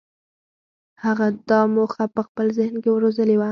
هغه دا موخه په خپل ذهن کې روزلې وه.